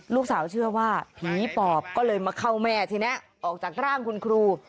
เชื่อว่าผีปอบก็เลยมาเข้าแม่ทีนี้ออกจากร่างคุณครู